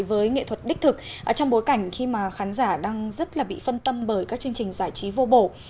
với nghệ thuật đích thực trong bối cảnh khi mà khán giả đang rất là bị phân tâm bởi các chương trình giải trí vô bổ